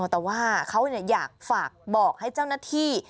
แต่ว่าเขาอยากฝากบอกให้เจ้าหน้าที่